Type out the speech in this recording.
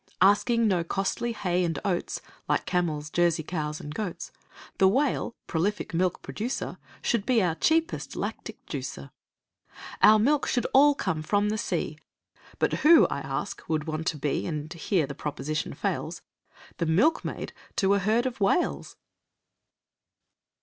Asking no costly hay and oats, Like camels, Jersey cows, and goats, The Whale, prolific milk producer, Should be our cheapest lactic juicer. Our milk should all come from the sea, But who, I ask, would want to be, And here the proposition fails, The milkmaid to a herd of Whales?